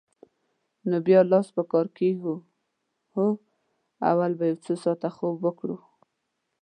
نو بیا لاس په کار کېږو؟ هو، اول به یو څو ساعته خوب وکړو.